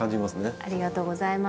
ありがとうございます。